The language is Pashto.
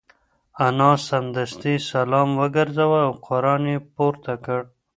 انا سمدستي سلام وگرځاوه او قران یې پورته کړ.